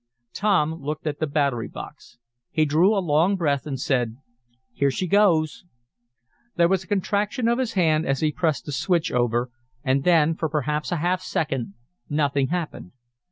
Tom looked at the battery box. He drew a long breath, and said: "Here she goes!" There was a contraction of his hand as he pressed the switch over, and then, for perhaps a half second, nothing happened.